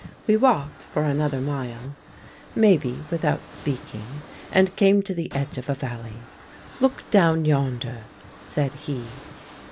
We walked for another mile, maybe, without speaking, and came to the edge of a valley. 'Look down yonder,' said he.